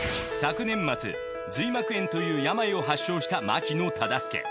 昨年末髄膜炎という病を発症した牧野任祐。